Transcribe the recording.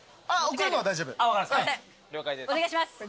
お願いします。